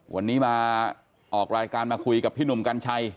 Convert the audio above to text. วันนี้มาออกรายการมาคุยกับพี่หนุ่มกัญชัย